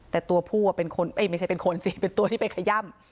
แต่ตัวผู้ไม่ใช่เป็นคนสิเป็นตัวที่ไปขย่ำ